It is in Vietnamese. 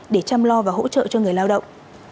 để chăm lo và hỗ trợ cho người lao động